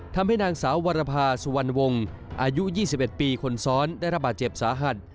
ทำให้นางสาววรภาสุวรรณวงศ์อายุ๒๑ปีคนซ้อนได้ระบาดเจ็บสาหัส